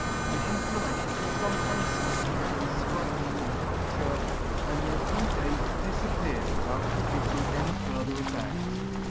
An inflammation will fometimes fucceed the fcratch or puncture, and in a few days difappear without producing any further effect.